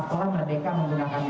nah bop pau harapan kita akan sama